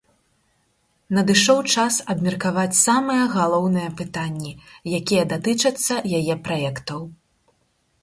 Надышоў час абмеркаваць самыя галоўныя пытанні, якія датычацца яе праектаў.